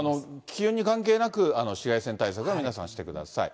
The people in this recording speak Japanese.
気温に関係なく、紫外線対策は皆さん、してください。